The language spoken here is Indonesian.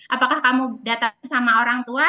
apakah kamu datang sama orang tua